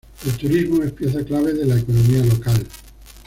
El turismo es pieza clave de la economía local.